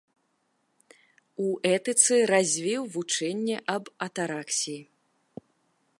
У этыцы развіў вучэнне аб атараксіі.